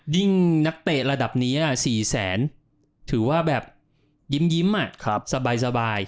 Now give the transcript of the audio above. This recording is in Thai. ยิ่งนักเตะระดับนี้๔แสนถือว่ายิ้มอ่ะสบาย